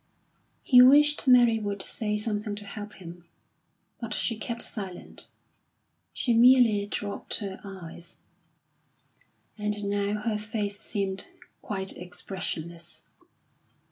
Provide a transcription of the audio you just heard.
He wished Mary would say something to help him, but she kept silent. She merely dropped her eyes, and now her face seemed quite expressionless.